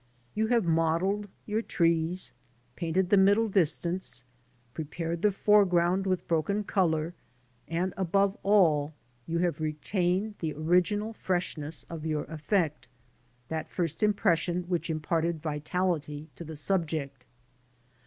You have modelled your trees, painted the middle distance, prepared the foreground with broken colour, and, above all, you have retained the original freshness of your effect — that first impression which imparted vitality to the subject.